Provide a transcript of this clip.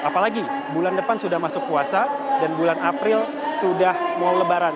apalagi bulan depan sudah masuk puasa dan bulan april sudah mau lebaran